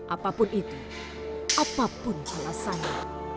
apapun itu apapun alasannya